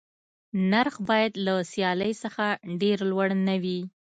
نرخ باید له سیالۍ څخه ډېر لوړ نه وي.